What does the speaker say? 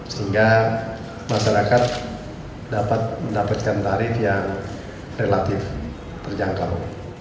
sehingga masyarakat dapat mendapatkan tarif yang relatif terjangkau